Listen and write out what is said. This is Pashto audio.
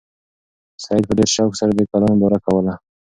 سعید په ډېر شوق سره د کلا ننداره کوله.